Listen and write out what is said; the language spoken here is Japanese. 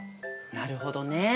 なるほどね。